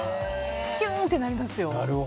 キューンってなりますよ。